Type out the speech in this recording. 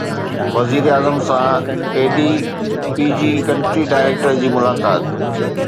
وزيراعظم سان A D B جي ڪنٽري ڊائريڪٽر جي ملاقات